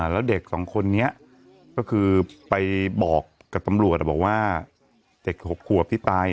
แล้วเด็กสองคนนี้ก็คือไปบอกกับตำรวจบอกว่าเด็ก๖ขวบที่ตาย